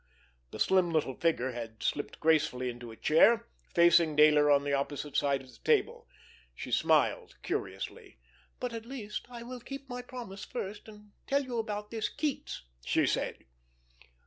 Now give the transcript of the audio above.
The slim little figure had slipped gracefully into a chair, facing Dayler on the opposite side of the table. She smiled curiously. "But, at least, I will keep my promise first, and tell you about this Keats," she said.